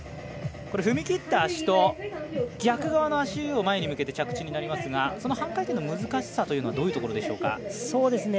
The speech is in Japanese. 踏み切った足を逆側の足を前に向けての着地になりますが半回転の難しさというのはどういうところでしょうか。